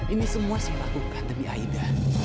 ini semua saya lakukan tapi aida